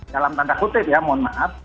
dalam tanda kutip ya mohon maaf